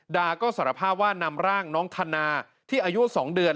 ดาก็สารภาพว่านำร่างน้องธนาที่อายุ๒เดือน